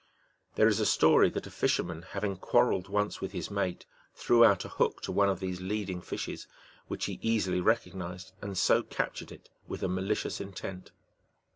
*^ There is a story that a fisherman, having quar relled once with his mate, threw out a hook to one of these leading fishes, which he easily recognized, and so captured it with a malicious intent.